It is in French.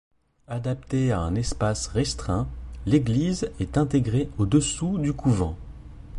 Adaptée à un espace restreint, l’église est intégrée au-dessous du couvent.